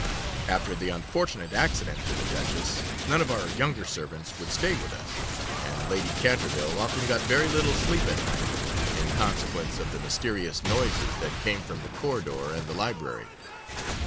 After the unfortunate accident to the Duchess, none of our younger servants would stay with us, and Lady Canterville often got very little sleep at night, in consequence of the mysterious noises that came from the corridor and the library.